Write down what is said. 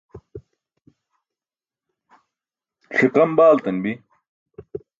ṣiqam baaltan bi